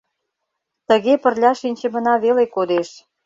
Тыге пырля шинчымына веле кодеш.